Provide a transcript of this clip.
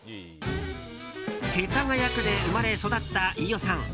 世田谷区で生まれ育った飯尾さん。